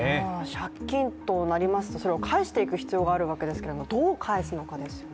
借金となりますと、それを返していく必要がありますけれどもどう返すのかですよね。